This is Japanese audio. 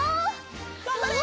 がんばれ！